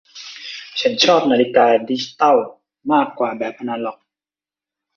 ฉันชอบนาฬิกาดิจิตัลมากกว่าแบบอนาล็อก